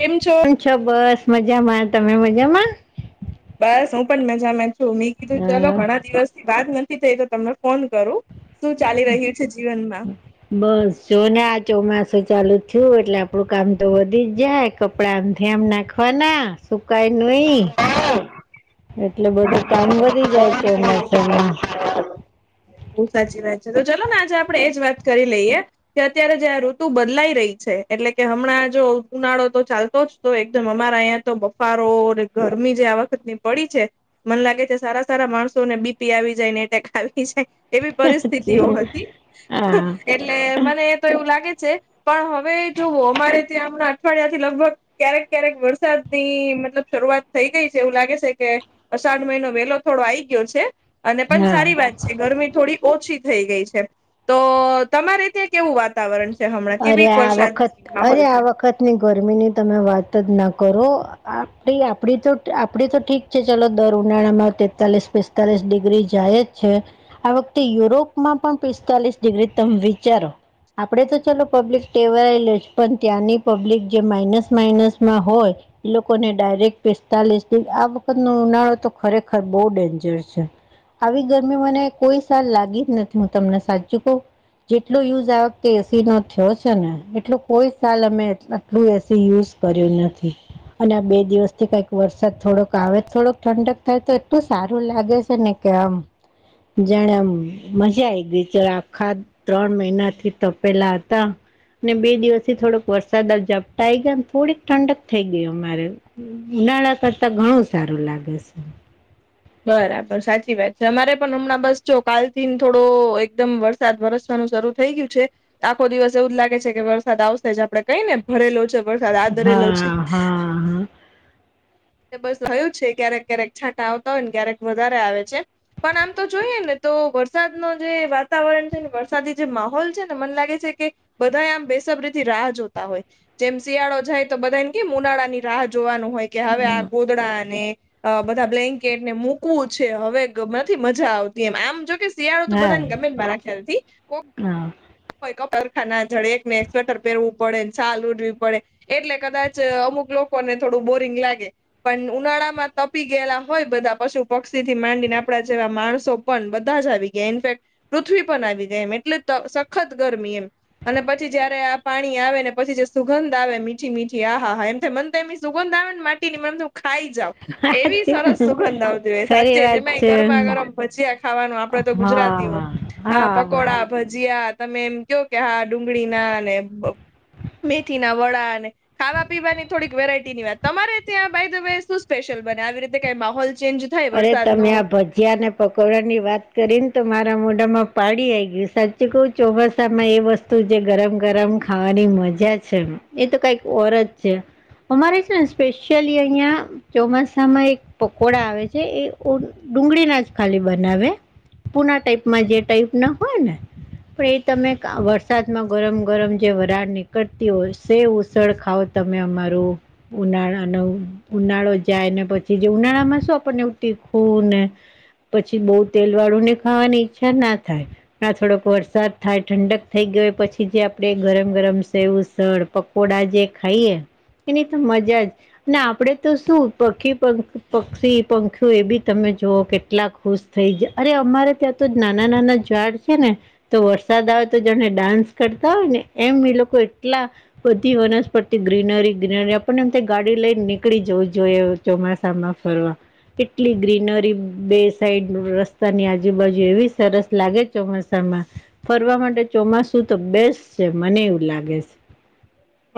કેમ છો? છો બસ મજામાં, તમે મજામાં? બસ હું પણ મજામાં છું, મેં કીધું ચલો અ, ઘણા દિવસ થી વાત નથી થઈ તો તમને ફોન કરું. શું ચાલી રહ્યું છે જીવનમાં? બસ જો ને આ ચોમાસું ચાલુ થયું એટલે આપડું કામ તો વધી જ જાય. ક પડા આમથીઆમ નાખવાના સુકાઈ નહીં. એટલે બધું કામ વધી જાય ચોમાસામાં. બહુ સાચી વાત છે, તો ચાલ ને આજે આપડે એજ વાત કરી લઈએ. કે અત્યારે જે આ ઋતુ બદલાઈ રહી છે એટલે કે હમણાં જો ઉનાળો તો ચાલતો જ તો એકદમ અમારા અયા તો બફારો અને ગરમી જે આ વખતની પડી છે. મને લાગે છે સારા સારા માણસોને બી પી આવી જાય ને એટેક આવી જાય. એવી સાચી. પરિસ્થિતિઓ હતી હા એટલે મને તો એવું લાગે છે પણ હવે જોવો અમારે ત્યાં હમણાં અઠવાડિયા થી લગભગ ક્યારેક ક્યારેક વરસાદની મતલબ શરૂઆત થઈ ગઈ છે એવું લાગે છે કે અષાઢ મહિનો વેલો થોડો આઈ ગયો છે. અને પણ હા સારી વાત છે ગરમી થોડી ઓછી થઈ ગઈ છે તો તમારે તે કેવું વાતાવરણ છે હમણાં કેવીક, વરસાદ માહોલ છે. ગરમી ની તમે વાત જ ના કરો આપ આપડી તો આપડી તો ઠીક અ ચાલો દર ઉનાળામાં તેતાલીસ પિસ્તાલીસ ડિગ્રી જાય જ છે. આ વખતે યુરોપમાં પણ પિસ્તાલીસ ડિગ્રી તમે વિચારો આપડણે તો ચલો પબ્લિક ટેવાય લે છે પણ ત્યાંની પબ્લિક જે માઇનસ માઇનસમાં હોય. એ લોકોને ડાયરેક્ટ પેસ્તાલીસ આ વખત નો ઉનાળો તો ખરેખર બહુ ડેન્જર છે. આવી ગરમી મને કોઈ સાલ લાગી જ નથી હું તમને સાચું કહું જેટલો યુઝ આવ એસી નો થયો છે ને એટલું કોઈ સાલ અમે આટલું એસી યુઝ કરેલ નથી. અને આ બે દિવસ થી કઈક વરસાદ થોડોક આવે થોડોક ઠંડક થાય તો એટલું સારું લાગે છે ને કે આમ જાણે આમ મજા આઈ ગય ચ આખા ત્રણ મહિના થી તો પેલા હતા. ને બે દિવસ થી થોડુક વરસાદ ઝાપટાઈ ગયા થોડીક ઠંડક થઈ ગય અમારે, ઉનાળા કરતા ઘણું સારું લાગે છે. બરાબર સાચી વાત છે, અમારે પણ હમણાં બસ જો કાલ થી થોડો એકદમ વરસ વરસાદ વરસવાનું શરૂ થઈ ગયું છે આખો દિવસ એવું જ લાગે છે કે વરસાદ આવશે જ આપડે કઈ ને ભરેલો છે વરસાદ હાથ ધરેલો છે. હા હા હા બસ હયું છે ક્યારેક ક્યારેક છાંટા આવતા હોય ને ક્યારેક વધારે આવે છે. પણ આમ તો જોઈએ ને તો વરસાદ નો જે વાતાવરણ છે ને વરસાદી જે માહોલ છે ને મને લાગે છે કે બધા આમ બેસબરી થી રાહ જોતા હોય. જેમ શિયાળો જાય તો બધાને કેમ ઉનાળાની રાહ જોવાનું હોય કે હવે આ ગોદડાને અ બધા બ્લેન્કેટને મૂકવું છે, હવે નથી મજા આવતી એમ આમ જો કે. શિયાળો તો હા બધાને ગમે માંરા ખ્યાલ થી. હા [unintelligible] સરખા ના જડેક ને એક સ્વેટર પહેરવું પડે ને છાલ ઓડવી પડે. એટલે કદાચ અમુક લોકોને થોડું બોરિંગ લાગે. પણ ઉનાળા માં તપી ગયેલા હોય બધા પશુ પક્ષી થી માંડીને આપડા જેવા માણસો. પણ બધા જ આવી ગયા ઇન્ફેક્ટ પૃથ્વી પણ આવી ગયા એમ એટલે સખત ગરમી એમ. અને પછી જયારે આ પાણી આવે ને પછી જે સુગંધ આવે મીઠી મીઠી આહા હા એમ થાય મન એની સુગંધ આવે ને માટી મને એમ થઇ હું ખાઈ જાવ. વાત એવી છે સરસ સુગંધ આવતી હોઈએ ખરી સાચે વાત જેમાં છે ગરમા ગરમ ભજીયા ખાવાનું આપ આપડે તો ગુજરાતીઓ હા પકોડા ભજીયા તમે એમ કયો કે હા ડુંગળીના ને મેથી ના વડા અને ખાવા પીવાની થોડીક વેરાયટી ની વાત તમારે ત્યાં બાઇ ધ વે શું સ્પેશિયલ બને આવી રીતે કઈ માહોલ ચેન્જ થાય અરે વરસાદનો તમે આ ભજ જ્જિયાંને પકોડા ની વાત કરીને તો મારા મોઢામાં પાડી આવી ગયું સાચું કહું ચોમાસામાં એ વસ્તુ તું જે ગરમ ગરમ ખાવાની મજા છે એ તો કઈક ઓર જ છે. અમારે છે ને સ્પેશિયલી અહિયાં ચોમાસામાં એક પકોડા આવે છે. જે એ ઓ ડુંગળી ના જ ખાલી બનાવે. પુના ટાઈપમાં જે ટાઈપ ના હોય ને પણ એ તમે વરસાદમાં ગરમ ગરમ જે વરાળ નીકળતી હોય, સેવ ઉસળ ખાઓ તમે અમારું. ઉનાળો નો ઉનાળો જાય ને પછી જે ઉનાળા માં શું આપણ એવું તીખું ને પછી બહુ તેલ વાળું ને ખાવાની ઈચ્છા ના થાય ના થોડોક વરસાદ થાય ઠંડક થઈ ગયો પછી જે આપણે ગરમ ગરમ સેવઉસળ પક કોડા જે ખાઈએ એની તો મજા જ ના આપણે તો શું પખી પક્ષી પંખ્યું એ બી તમે જુઓ કેટલા ખુશ થઈ જાય અરે અમારે ત્યાં તો નાના નાના ઝાડ છે ને તો વરસાદ આવે તો જાને ડાન્સ કરતા હોય ને એમ એ લોકો એટલા બધી વનસ્પતિ ગ્રીનરી ગ્રીનરી આપણને એમ થાય ગાડી લઈને નીકળી જવું જોઈએ ચોમાસા માં ફરવા. કેટલી ગ્રીનરી બે સાઈડ રસ્તાની આજુબાજુ એવી સરસ લાગે ચોમાસામાં ફરવા માટે ચોમાસું તો બેસ્ટ છે મને એવું લાગે છે.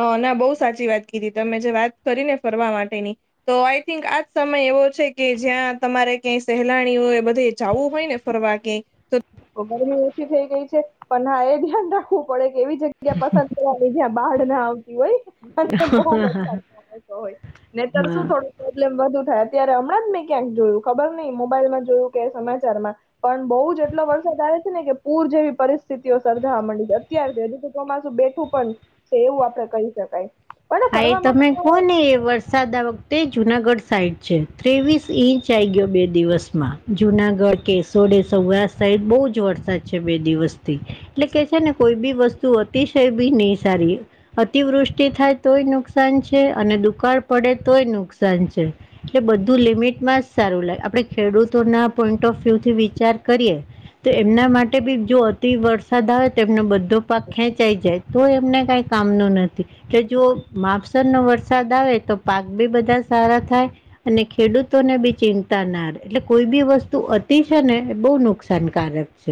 હ ના બહુ સાચી વાત કીધી તમે જે વાત કરી ને ફરવા માટેની તો આઈ થિંક આજ સમય એવો છે કે જ્યાં તમારે ક્યાંય સહેલાણીઓ એ બધે જવું હોય ને ફરવા ગઈ [inaudible] તો ઓછી થઈ ગઈ છે પણ ના એ ધ્યાન રાખવું પડે કે એવી જગ્યા પસંદ કરવાની જ્યાં બહાડ ના આવતી હોય. બ [unintelligible] હોય ને તર હા શું થોડું પ્રોબ્લેમ વધુ થાય અત્યારે હમણાં જ મેં ક્યાંક જોયું ખબર નઈ મોબાઈલમાં જોયું કે સમાચારમાં પણ બહુ જ એટલો વરસાદ આવે છે ને કે પૂર જેવી પરિસ્થિતિઓ સર્જાવા માંડી છે. અત્યારથી હજુ તો ચોમાસું બેઠું પણ છે એવું આપણે કહી શકાય. પણ હા એ ફરવા માટે તમે તો કોને એ વર્ષ સાદા વખતે જુનાગઢ સાઈડ છે ત્રેવીસ ઇંચ આવી ગયો બે દિવસમાં. જુનાગઢ, કેશોદ એ સૌરાષ્ટ્ર સહિત બહુ જ વરસાદ છે બે દિવસથી. એટલે કે છે ને કોઈ બી વસ્તુ અતિશય બી નહી સારી અતિવૃષ્ટિ થાય. તોય નુકસાન છે અને દુષ્કાળ પડે તોય નુકસાન છે. એટલે બધું લિમિટમાં જ સારું લાગ આપણે ખેડૂતોના પોઈન્ટ ઓફ વ્યુ થી વિચાર કરીએ તો એમના માટે બી જો અતિ વરસાદ આવે તો એમનો બધો પાક ખેંચાઈ જાય. તો એમને કઈ કામ નું નથી. જો માપસર નો વરસાદ આવે તો પાક બી બધા સારા થાય. અને ખેડૂતોને બી ચિંતા ના રહે એટલે કોઈ બી વસ્તુ અતિ છે ને એ બહુ નુકસાનકારક.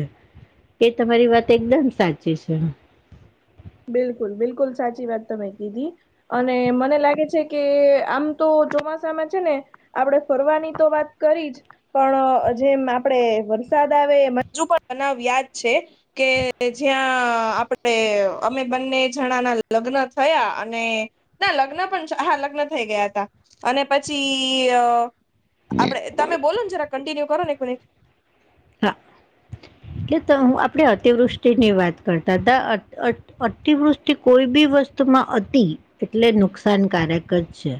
એ તમારી વાત એકદમ સાચી છે. બિલકુલ બિલકુલ સાચી વાત તમેં કીધી. અને મને લાગે છે કે આમ તો ચોમાસામાં છે ને આપણે ફરવાની તો વાત કરી જ પણ જેમ આપણે વરસાદ આવે એ હજુ પણ બનાવ યાદ છે. કે જ્યાં આપણે અમે બંને જણા ના લગ્ન થયા અને ના લગ્ન પણ. હા લગ્ન થઈ ગયા હતા અને પછી આપણે તમે બોલો ને જરા કન્ટિન્યુ કરો ને એક મિનિટ. હા એટલે હું આપણે અતિવૃષ્ટિની વાત કરતા હતા અતિવૃષ્ટિ કોઈ બી વસ્તુમાં અતિ એટલે નુકસાનકારક જ છે.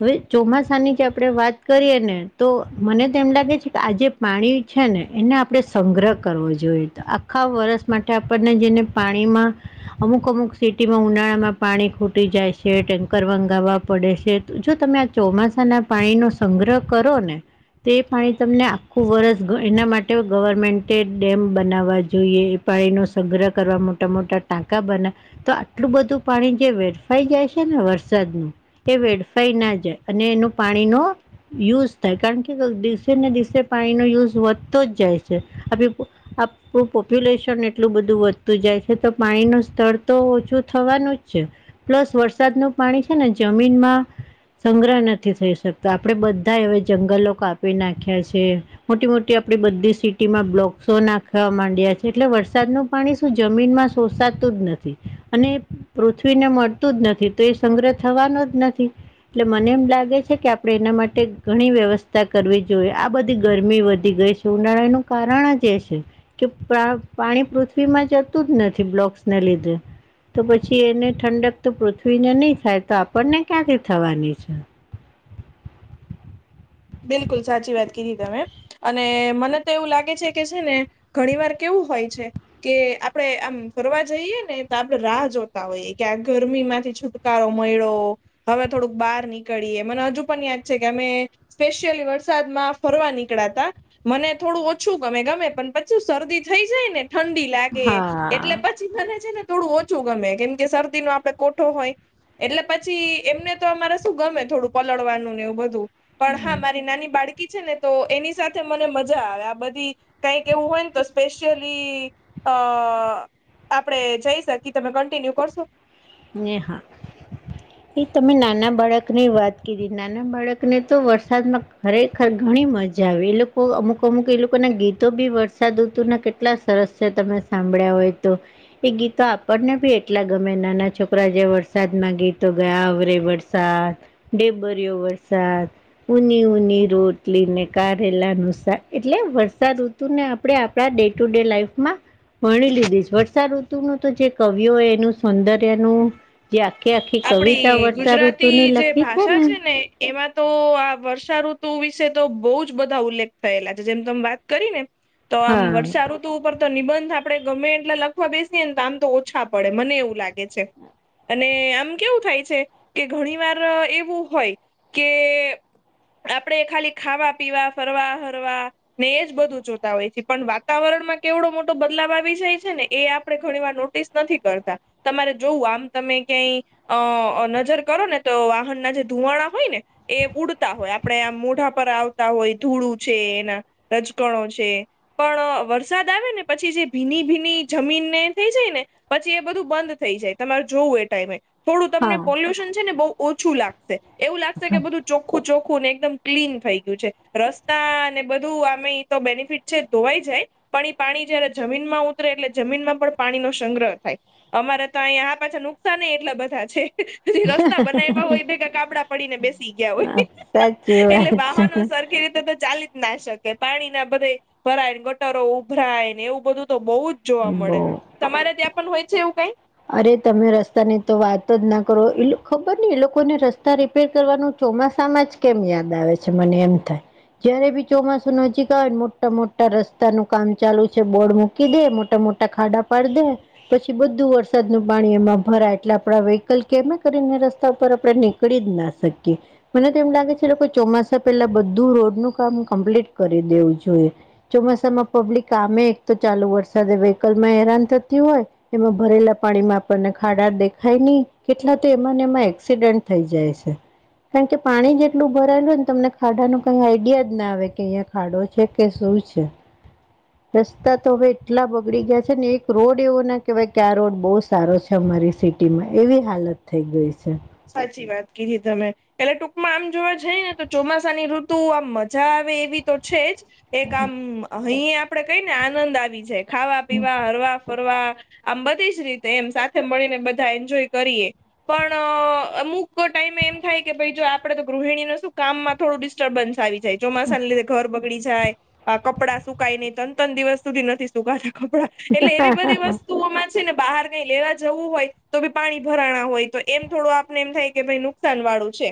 હવે ચોમાસાની જે આપણે વાત કરીએ ને તો મને તો એમ લાગે છે કે આજે પાણી છે ને એને આપણે સંગ્રહ કરવો જોઈએ તો આખા વરસ માટે આપણને જેને પાણીમાં અમુક અમુક સિટીમાં ઉનાળામાં પાણી ખૂટી જાય છે. ટેન્કર મંગાવવા પડે છે. જો તમે આ ચોમાસાના પાણી નો સંગ્રહ કરો ને તે પાણી તમને આખું વરસ ઘર ના માટે ગવર્મેન્ટે ડેમ બનાવવા જોઈએ એ પાણીનો સંગ્રહ કરવા મોટા મોટા ટાંકા બના તો આટલું બધું પાણી જે વેરફાઈ જાય છે ને વરસાદનું એ વેડફાઈ ના જાય અને એનું પાણી નો યુઝ થાય કારણ કે દિવસે ને દિવસે પાણીનો યુઝ વધતો જ જાય છે. અપ પોપ્યુલેશન એટલું બધું વધતું જાય છે તો પાણીનું સ્તર તો ઓછું થવાનું જ છે. પ્લસ વરસાદનું પાણી છે ને જમીનમાં સંગ્રહ નથી થઈ શકતો આપણેે બધા હ જંગલો કાપી નાખ્યા છે. મોટી મોટી આપ બધી સિટીમાં બ્લોક્સો નાખવા માંડ્યા છે એટલે વરસાદ નું પાણી શું જમીનમાં સોષતું જ નથી અને પૃથ્વીને મળતું જ નથી તો એ સંગ્રહ થવાનો જ નથી. એટલે મને એમ લાગે છે કે આપણે એના માટે ઘણી વ્યવસ્થા કરવી જોઈએ આ બધી ગરમી વધી વધી ગઈ છે ઉનાળાનું કારણ જ એ છે. કે પાણી પૃથ્વીમાં જતું જ નથી બ્લોક્સને લીધે તો પછી એને ઠંડક તો પૃથ્વીને નહી થાય તો આપણને ક્યાંથી થવાની છે. બિલકુલ સાચી વાત કીધી તમે અને મને તો એવું લાગે છે કે છે ને ઘણી વાર કેવું હોય છે. કે આપડણે આમ ફરવા જઈએ ને તો આપડણે રાહ જોતા હોઈએ કે આ ગરમી માંથી છૂટ કારો મળો હવે થોડુંક બહાર નીકળીએ મને હજુ પણ યાદ છે કે અમે સ્પેશિયલી વરસાદ માં ફરવા નીકળ્યાતા મને થોડું ઓછું ગમે ગમે પણ પછી શરદી થઈ જાય ને ઠંડી લાગે એટલે હા પ બને છે ને થોડું ઓછું ગમે કેમ કે શરદી નો આપડે કોઠો હોય એટલે પછી એમને તો અમારે શું ગમે થોડું પલળવાનું ને એવું બધું. પણ હા મારી નાની બાળકી છે ને તો એની સાથે મને મજા આવે આ બધી કઈક એવું હોય ને તો સ્પેશિયલી અ આપડે જઈ શકી તમે કન્ટિન્યુ કરશો હા. એ તમે નાના બાળક ની વાત કરી નાના બાળકને તો વરસાદમાં ખરેખર ઘણી મજા આવે એ લોકો અમુક અમુક એ લોકો ના ગીતો બી વરસાદ રૂતું એલા સરસ છે તમે સાંભળ્યા હોય તો એ ગીતો આપણને બી એટલા ગમે ના છોકરા જે વરસાદ મા ગીતો ગયા આવરે વરસાદ ડેબરીયો વરસાદ ઉની ઉની રોટલી ને કારેલાનુ શાક એટલે વરસાદ આપણે આપણા ડે ટુ ડે લાઈફમાં ભણી લીધી છે વર્ષાઋતુ ન તો જે કવિઓ એનું સુંદર્ય નું જે આખે આખી કવિતા આપડી વર્ષા ગુજરાતી ઋતુની જે લખી ભાષા છે ને એમાં તો આ વર્ષાઋતુ વિશે તો બહુ જ બધા ઉલ્લેખ થયેલા છે જેમ તમે વાત કરી ને તો આમ હા વર્ષાઋતુ ઉપર તો નિબંધ આપડે ગમે એટલે લખવા બેસીએ ને તો આમ તો ઓછા પડે મને એવું લાગે છે. અને આમ કેવું થાય છે કે ઘણી વાર એવું હોય કે આપણેે ખાલી ખાવા પીવા ફરવા હરવા ને એજ બધું જોતા હોય છે પણ વાતાવરણ માં કેવડો મોટો બદલાવ આવી જાય છે ને એ આપડે ઘણી વાર નોટિસ નથી કરતા તમારે જોવું આમ તમે ક્યાંય અ નજર કરો ને તો વાહન ના જે ધુવાણા હોય ને એ ઉડતા હોય આપણે આ મોઢા પર આવતા હોય ધૂળું છે એના રજકણો છે. પણ વરસાદ આવે ને પછી જે ભીની ભીની જમીનને થઈ જાય ને પછી એ બધું બંધ થઈ જાય તમારે જોવું એ ટાઈમે થોડું તમને હા પોલ્યુશન છે ને બહુ ઓછું લાગશે એવું લાગશે કે બધું ચોખ્ખું ચોખ્ખું ને એકદમ ક્લીન થઈ ગયું છે રસ્તા અનેને બધું આમે તો બેનિફિટ છે, ધોવાઈ જાય. પણ એ પાણી જયારે જમીનમાં ઉતરે એટલે જમીનમાં પણ પાણીનો સંગ્રહ થાય. અમારે તો અહીંયા આ પાછા નુકસાન એટલા બધા છે. પછી રસ્તા બનાવમાં હોય ભેગા કાપડા પડીને બેસી ગયા હોય. સાચી એટલે વાત વાહનો છે સરખી રીતે તો ચાલી ના શકે પાણી ના બધે ભરાય ગટરો ઉભરાય ને એવું બધું તો બહુ જ જોવા મળે બો તમારે ત્યાં પણ હોય છે એવું કઈ? અરે તમે રસ્તા ની તો વાત જ ના કરો એ ખબર ને એ લોકોને રસ્તા રિપેર કરવાનું ચોમાસા માં જ કેમ યાદ આવે છે મને એમ થાય. જયારે બી ચોમાસું નજીક આવેને મોટા મોટા રસ્તાનું કામ ચાલુ છે બોર્ડ મૂકી દે મોટા મોટા ખાડા પાડ દે પછી બધું વર વરસાદ નું પાણી એમાં ભરાય એટલે આપણા વ્હીકલ કેમે કરીને રસ્તા ઉપર આપણે નીકળી જ ના શકીએ. મને તો એમ લાગે છેઈ ચોમાસા પેલા બધું રોડનું કામ કમ્પ્લીટ કરી દેવું જોઈએ. ચોમાસામાં પબ્લિક આમે એક તો, ચાલુ વરસાદ વ્હીકલમાં હેરાન થતી હોય. એમાં, ભરેલા પાણીમાં આપણને ખાડા દેખાય નહી, કેટલા તો એમાંને એમાં એક્સિડન્ટ થઈ જાય છે. કારણ કે પાણી જેટલું ભરાયેલું હોય ને તમને ખાડા ન કઈ આઈડિયા જ ના આવે કે અહીંયા ખાડો છે, કે શું છે. રસ્તા તો હવે એટલા બગડી ગયા છે, ને એક રોડ એવો ના કેવાય ક્યા રોડ બહુ સારો છે, અમારી સિટીમાં એવી હાલત થઈ ગઈ છે. સાચી વાત કીધી તમે એટલે ટૂંકમાં આમ જોવા જઈ ને તો, ચોમાસાની ઋતુ આ મજા આવે એવી તો છે, જ એક આામ અહી આપડે કઈ ને, આનંદ આવી જાય ખાવા પીવા હરવા ફરમ બધી જ રીતે એમ સાથે મળીને બધા એન્જોય કરીએ પણ અમુક ટાઈમે એમ થાય કે, ભ જો આપડે તો ગૃહિણી ન શું કામમાં થોડું ડિસ્ટર્બન્સ આવી જાય ચોમાસાને લીધે ઘર બગડી જાય. કપડાં સુકઈ નઈ તન તણ દિવસ સુધી નથી, સુકાતા કપડાં એટલે એવી બધી વસ્તુઓમાં છે, ને બહાર કઈ લેવા જવું હોય તો ભી પાણી ભરાણા હોય તો એમ થોડું આપને એમ થાય કે ભાઈ નુકસાન વાળું છે,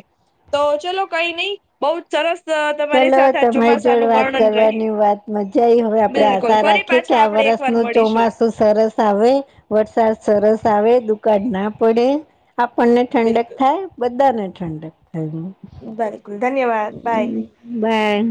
તો ચલો કઈ નહી બહુ. જ સરસ તમારી ચલો સાથે આ તમારી જોડ ચોમાસાનું વાત વર્ણન રહ્યું. કરવાની વાત મજજા હવે, આપડે બિલકુલ આશા ફરી રાખી. કે પાછા આ આપડે એક વર્ષ વાર નું મળીશું ચોમાસું તો સરસ આવે વરસાદ સરસ આવે દુકાળ ના પડે આપણને ઠંડક બિલકુલ. થાય બધાને ઠંડક થાય બરાકુલ ધન્યવાદ બાય ભે